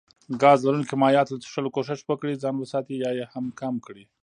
ګاز لرونکو مايعاتو له څښلو کوښښ وکړي ځان وساتي يا يي هم کم کړي